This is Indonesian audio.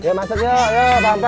ya masuk yuk